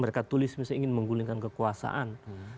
mereka tulis misalnya ingin menggulingkan kekuasaan